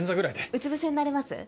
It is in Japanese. うつぶせになれます？